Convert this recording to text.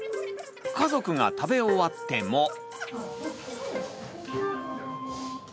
家族が食べ終わっても。